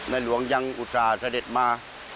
หลวงยังอุตส่าห์เสด็จมา